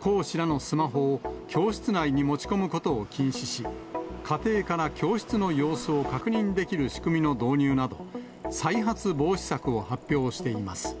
講師らのスマホを、教室内に持ち込むことを禁止し、家庭から教室の様子を確認できる仕組みの導入など、再発防止策を発表しています。